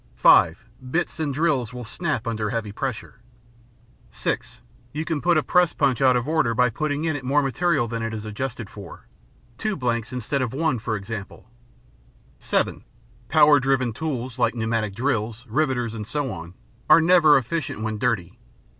(5) Bits and drills will snap under heavy pressure. (6) You can put a press punch out of order by putting in it more material than it is adjusted for—two blanks instead of one, for example. (7) Power driven tools like pneumatic drills, riveters, and so on, are never efficient when dirty.